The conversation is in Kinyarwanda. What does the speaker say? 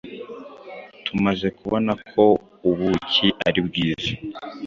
tumaze kubona ko ubuki ari bwiza